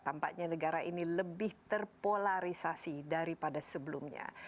tampaknya negara ini lebih terpolarisasi daripada sebelumnya